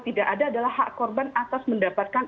tidak ada adalah hak korban atas mendapatkan